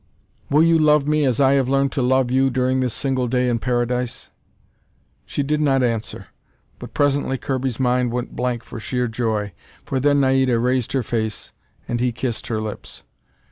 Will you love me as I have learned to love you during this single day in Paradise?" She did not answer. But presently Kirby's mind went blank for sheer joy. For then Naida raised her face, and he kissed her lips.